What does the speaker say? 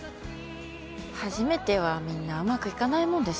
初めてはみんなうまくいかないもんですよ。